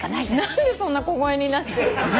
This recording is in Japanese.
何でそんな小声になっちゃう。